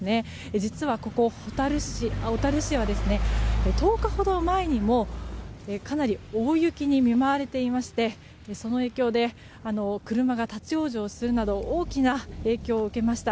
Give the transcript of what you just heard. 実はここ小樽市は１０日ほど前にもかなり大雪に見舞われていましてその影響で車が立ち往生するなど大きな影響を受けました。